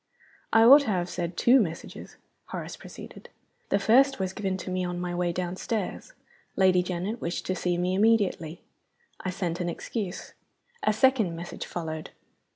"I ought to have said two messages," Horace proceeded. "The first was given to me on my way downstairs. Lady Janet wished to see me immediately. I sent an excuse. A second message followed.